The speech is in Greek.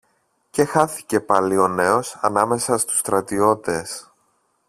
Και χάθηκε πάλι ο νέος ανάμεσα στους στρατιώτες.